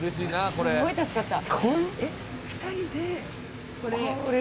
すごい助かった。